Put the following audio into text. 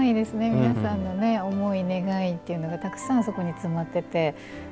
皆さんの思い、願いというのがたくさんそこに詰まっていて。